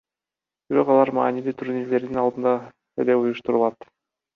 Бирок алар маанилүү турнирлердин алдында эле уюштурулат.